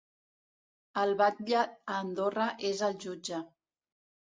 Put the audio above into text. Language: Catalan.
El batlle a Andorra és el jutge.